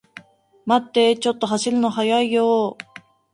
待ってー、ちょっと走るの速いよー